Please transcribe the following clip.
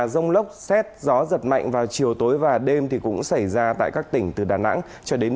rông lốc xét gió giật mạnh vào chiều tối và đêm thì cũng xảy ra tại các tỉnh từ đà nẵng cho đến